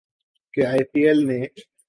کہ I P L نے